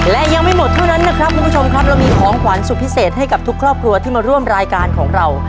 และยังไม่หมดเท่านั้นนะครับคุณผู้ชมครับเรามีของขวัญสุดพิเศษให้กับทุกครอบครัวที่มาร่วมรายการของเรา